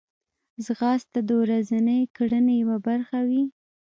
ځغاسته د ورځنۍ کړنې یوه برخه وي